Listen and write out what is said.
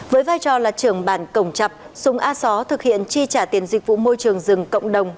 với vai trò là trường bàn cổng chập súng a xó thực hiện chi trả tiền dịch vụ môi trường rừng cộng đồng